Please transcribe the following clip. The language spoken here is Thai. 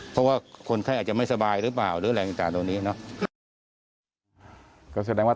เพราะว่าคนไข้อาจจะไม่สบายหรือเปล่าหรืออะไรต่างเหล่านี้เนาะ